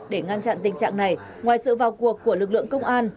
để ngăn chặn tình trạng này ngoài sự vào cuộc của lực lượng công an